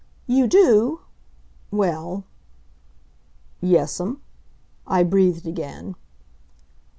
"You do? Well " "Yes'm." I breathed again.